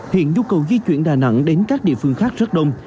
hiện nhu cầu di chuyển đà nẵng đến các địa phương khác rất đông